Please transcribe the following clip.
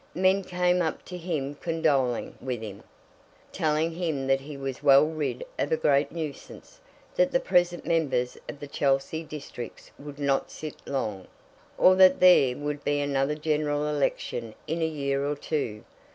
Men came up to him condoling with him, telling him that he was well rid of a great nuisance, that the present Members for the Chelsea Districts would not sit long, or that there would be another general election in a year or two.